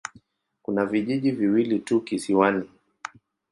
Kuna vijiji viwili tu kisiwani.